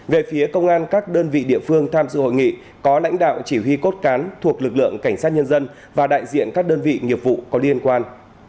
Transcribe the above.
về phía công an các đơn vị địa phương tham dự hội nghị có lãnh đạo chỉ huy cốt cán thuộc lực lượng cảnh sát nhân dân và đại diện các đơn vị nghiệp vụ có liên quan